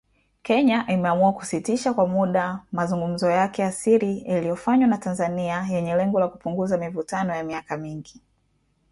Kenya imeamua kusitisha kwa muda mazungumzo yake ya siri yaliyofanywa na Tanzania yenye lengo la kupunguza mivutano ya miaka mingi.